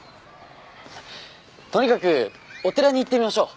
とにかくお寺に行ってみましょう。